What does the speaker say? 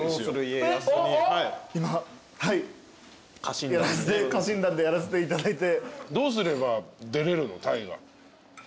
はい家臣団でやらせていただいて。